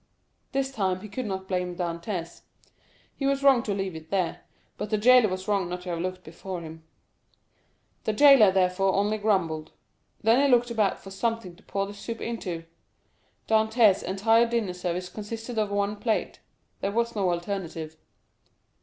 This time he could not blame Dantès. He was wrong to leave it there, but the jailer was wrong not to have looked before him. The jailer, therefore, only grumbled. Then he looked about for something to pour the soup into; Dantès' entire dinner service consisted of one plate—there was no alternative.